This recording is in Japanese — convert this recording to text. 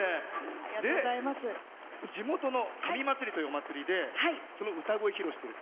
地元の紙まつりというお祭りでその歌声を披露している？